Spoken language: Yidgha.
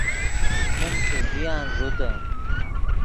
من څس زیان ݱوتے